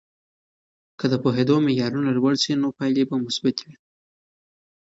که د پوهیدو معیارونه لوړ سي، نو پایلې به مثبتې وي.